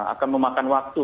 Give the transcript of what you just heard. akan memakan waktu